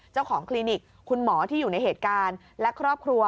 คลินิกคุณหมอที่อยู่ในเหตุการณ์และครอบครัว